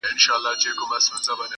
مُلا عزیز دی ټولو ته ګران دی٫